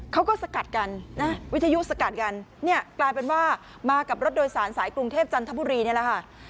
สกัดกันนะวิทยุสกัดกันเนี่ยกลายเป็นว่ามากับรถโดยสารสายกรุงเทพจันทบุรีนี่แหละค่ะ